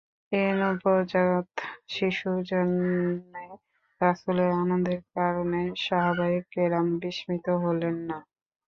এ নবজাত শিশুর জন্মে রাসূলের আনন্দের কারণে সাহাবায়ে কেরাম বিস্মিত হলেন না।